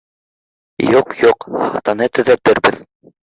Юҡ, юҡ, хатаны төҙәтербеҙ